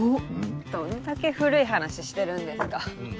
どんだけ古い話してるんですか。